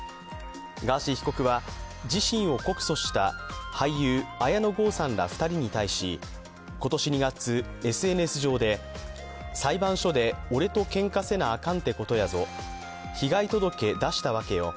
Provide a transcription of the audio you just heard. ガーシー被告は自身を告訴した俳優・綾野剛さんら２人に対し、今年２月、ＳＮＳ上で、裁判所で俺とけんかせなあかんってことやぞ、被害届出したわけよ。